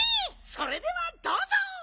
それではどうぞ！